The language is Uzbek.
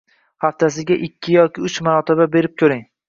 haftasiga ikki yoki uch marotaba berib ko‘ring.